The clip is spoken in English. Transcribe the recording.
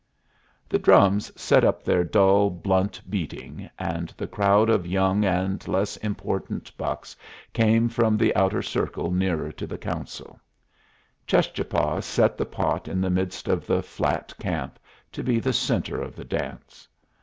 The drums set up their dull, blunt beating, and the crowd of young and less important bucks came from the outer circle nearer to the council. Cheschapah set the pot in the midst of the flat camp, to be the centre of the dance.